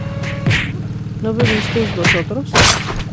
¿no bebisteis vosotros?